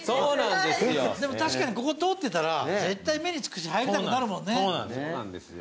でも確かにここ通ってたら絶対目につくし入りたくなるもんね。